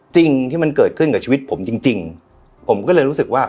จริงที่มันเกิดขึ้นกับชีวิตผมจริงจริงผมก็เลยรู้สึกว่า